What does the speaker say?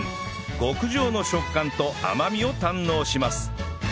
極上の食感と甘みを堪能します